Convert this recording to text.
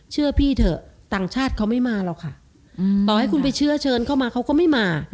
พี่เถอะต่างชาติเขาไม่มาหรอกค่ะต่อให้คุณไปเชื่อเชิญเข้ามาเขาก็ไม่มา